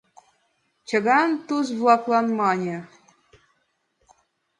Цыган Туз-влаклан мане: